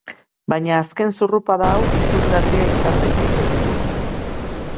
Baina azken zurrupada hau ikusgarria izan daiteke.